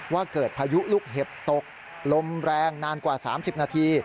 ว่าเกิดพายุลูกเห็บตกลมแรงนานกว่า๓๐นาที